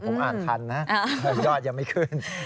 ผมอ่านทันนะยอดยังไม่ขึ้น